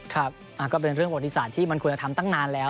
ครับก็เป็นเรื่องประวัติศาสตร์ที่มันควรจะทำตั้งนานแล้ว